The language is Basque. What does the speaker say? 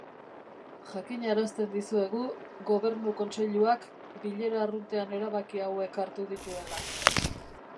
Jakinarazten dizuegu Gobernu Kontseiluak bilera arruntean erabaki hauek hartu dituela.